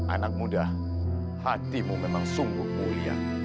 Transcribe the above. anak muda hatimu memang sungguh mulia